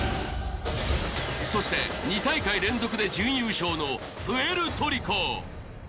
そして２大会連続で準優勝のプエルトリコ。